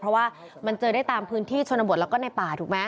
เพราะว่ามันเจอได้ตามพื้นที่ชนบทแล้วก็ในป่าถูกไหม